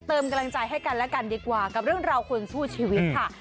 กำลังใจให้กันและกันดีกว่ากับเรื่องราวคนสู้ชีวิตค่ะ